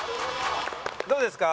どうですか？